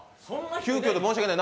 急きょで申し訳ない。